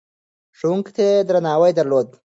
ښوونکو ته يې درناوی درلود.